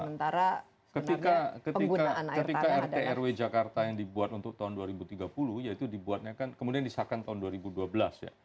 sementara ketika rt rw jakarta yang dibuat untuk tahun dua ribu tiga puluh yaitu dibuatnya kan kemudian disahkan tahun dua ribu dua belas ya